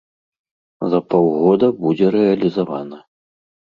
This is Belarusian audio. За паўгода будзе рэалізавана.